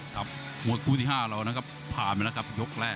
ครับวงครุ่นที่๕เรานะครับผ่านมาแล้วกับยกแรก